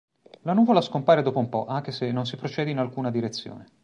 La nuvola scompare dopo un po' anche se non si procede in alcuna direzione.